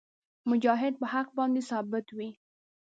مجاهد په حق باندې ثابت وي.